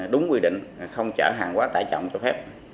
đúng quy định không chở hàng quá tải trọng cho phép